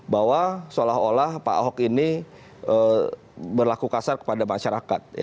bahwa seolah olah pak ahok ini berlaku kasar kepada masyarakat